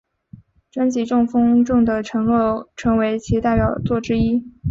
专辑中风中的承诺成为其代表作之一。